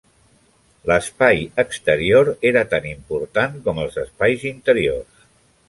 L'espai exterior era tan important com els espais interiors.